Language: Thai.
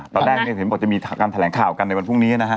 ตอนแรกเนี่ยเห็นบอกจะมีการแถลงข่าวกันในวันพรุ่งนี้นะฮะ